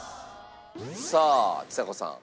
さあちさ子さん。